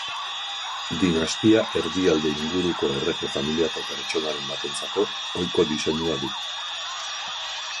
Dinastia erdialde inguruko errege familiako pertsonaren batentzako ohiko diseinua du.